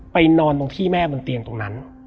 นอนตรงที่แม่บนเตียงตรงนั้น